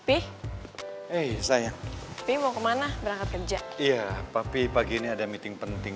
eh sayang ini mau kemana berangkat kerja iya tapi pagi ini ada meeting penting